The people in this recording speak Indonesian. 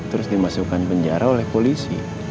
terus dimasukkan penjara oleh polisi